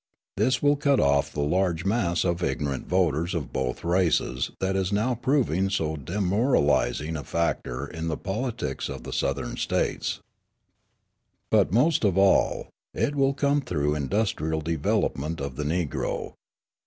This will cut off the large mass of ignorant voters of both races that is now proving so demoralising a factor in the politics of the Southern States. But, most of all, it will come through industrial development of the Negro.